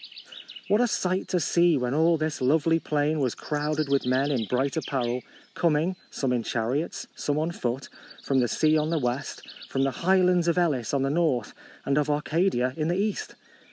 What a sight to see, when all this lovely plain was crowded with men in bright apparel, coming, some in chariots, some on foot, from the sea on the west, from the highlands of Elis on the north and of Arcadia in the east